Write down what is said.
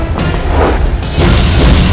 aku ingin menemukan kekuatanmu